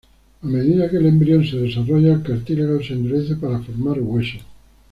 A medida que el embrión se desarrolla, el cartílago se endurece para formar hueso.